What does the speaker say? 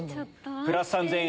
プラス３０００円